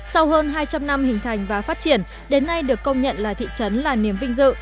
sau hơn hai trăm linh năm hình thành và phát triển đến nay được công nhận là thị trấn là niềm vinh dự